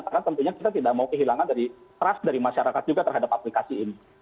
karena tentunya kita tidak mau kehilangan dari trust dari masyarakat juga terhadap aplikasi ini